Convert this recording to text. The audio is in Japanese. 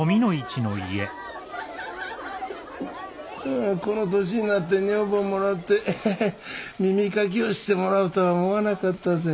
ああこの年になって女房もらって耳かきをしてもらうとは思わなかったぜ。